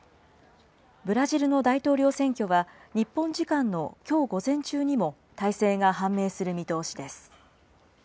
ブラジルの大統領選挙は日本時間のきょう午前中にも大勢が判明す